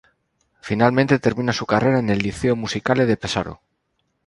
Finalmente termina su carrera en el Liceo musicale de Pesaro.